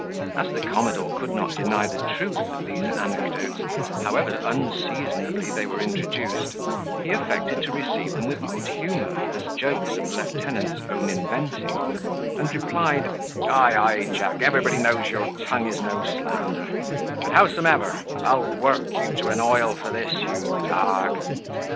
As the commodore could not deny the truth of these anecdotes, however unseasonably they were introduced, he affected to receive them with good humour, as jokes of the lieutenant's own inventing; and replied, "Ay, ay, Jack, everybody knows your tongue is no slander; but, howsomever, I'll work you to an oil for this, you dog."